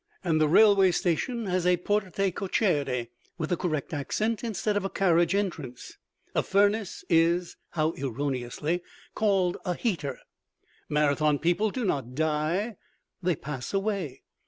And the railway station has a porte cochère (with the correct accent) instead of a carriage entrance. A furnace is (how erroneously!) called a "heater." Marathon people do not die they "pass away."